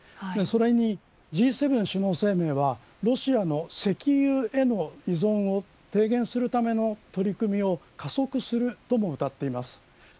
それにＧ７首脳声明はロシアの石油への依存を低減するための取り組みを加速するともうたっています。